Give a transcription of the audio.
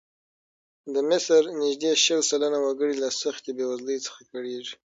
د مصر نږدې شل سلنه وګړي له سختې بېوزلۍ څخه کړېږي.